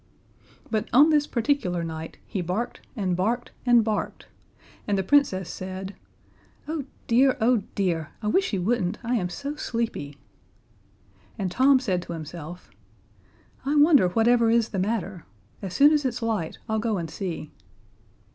But on this particular night he barked and barked and barked and the Princess said, "Oh dear, oh dear, I wish he wouldn't, I am so sleepy." And Tom said to himself, "I wonder whatever is the matter. As soon as it's light I'll go and see."